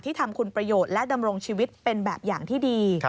ทำคุณประโยชน์และดำรงชีวิตเป็นแบบอย่างที่ดี